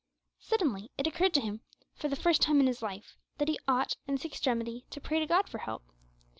Suddenly it occurred to him, for the first time in his life, that he ought, in this extremity, to pray to God for help.